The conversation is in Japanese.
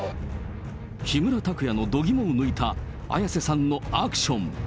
木村拓哉の度肝を抜いた、綾瀬さんのアクション。